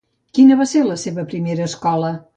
Quina va ser la seva primera escola?